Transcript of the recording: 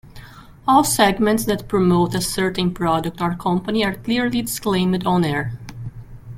All segments that promote a certain product or company are clearly disclaimed on air.